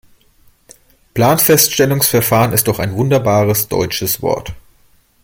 Planfeststellungsverfahren ist doch ein wunderbares deutsches Wort.